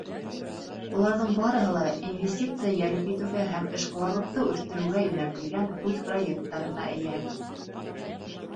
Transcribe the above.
Уларҙың барыһы ла инвестиция йәлеп итеүгә һәм эшҡыуарлыҡты үҫтереүгә йүнәлтелгән үҙ проекттарына эйә.